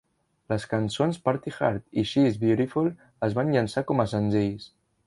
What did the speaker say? Les cançons "Party Hard" i "She is Beautiful" es van llançar com a senzills.